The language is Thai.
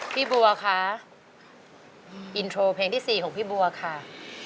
พี่บัวคะอินโทรเพลงที่๔ของพี่บัวค่ะ